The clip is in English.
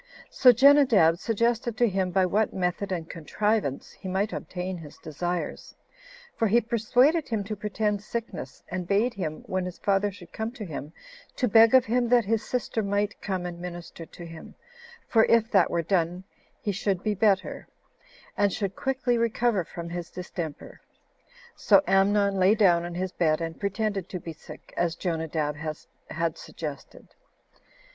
So Jenadab suggested to him by what method and contrivance he might obtain his desires; for he persuaded him to pretend sickness, and bade him, when his father should come to him, to beg of him that his sister might come and minister to him; for if that were done, he should be better, and should quickly recover from his distemper. So Amnon lay down on his bed, and pretended to be sick, as Jonadab had suggested.